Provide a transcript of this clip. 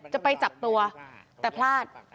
จะไปจับตัวแต่พลาด